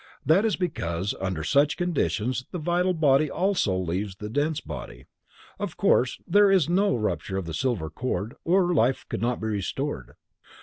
That is because under such conditions the vital body also leaves the dense body. Of course there is no rupture of the silver cord, or life could not be restored.